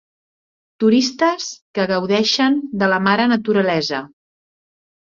Turistes que gaudeixen de la mare naturalesa.